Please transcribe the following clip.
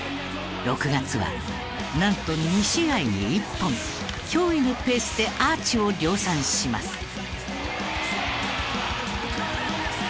６月はなんと２試合に１本驚異のペースでアーチを量産します。